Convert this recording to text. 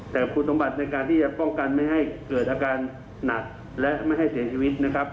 แต่คุณสมบัติในการที่จะป้องกันไม่ให้เกิดอาการหนักและไม่ให้เสียชีวิตนะครับ